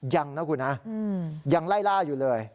ยังนะคุณนะยังไล่ล่าอยู่เลย